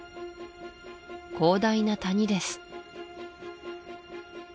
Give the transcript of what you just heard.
広大な谷です